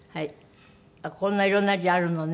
こんなにいろんな字あるのね。